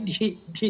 di hal hal yang lain